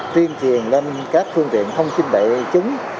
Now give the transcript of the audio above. tuy nhiên các phương tiện không chinh bệ chúng